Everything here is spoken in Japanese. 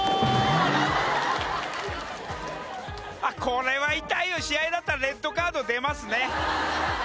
これは痛いよ試合だったらレッドカード出ますね